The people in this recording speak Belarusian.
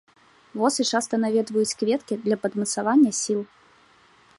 Восы часта наведваюць кветкі для падмацавання сіл.